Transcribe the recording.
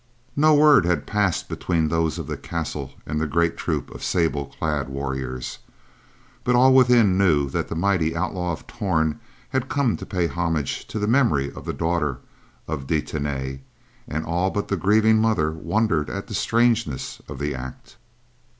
No word had passed between those of the castle and the great troop of sable clad warriors, but all within knew that the mighty Outlaw of Torn had come to pay homage to the memory of the daughter of De Tany, and all but the grieving mother wondered at the strangeness of the act.